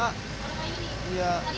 baru kayak gini